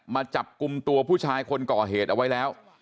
มาจับกลุ่มตัวผู้ชายคนก่อเหตุเอาไว้แล้ว